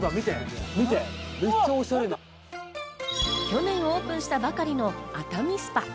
去年オープンしたばかりの熱海ＳＰＡ。